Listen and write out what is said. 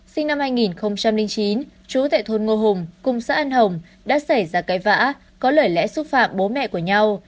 sinh năm hai nghìn chín chú tại thôn ngô hùng cùng xã an hồng đã xảy ra cái vã có lời lẽ xúc phạm bố mẹ của nhau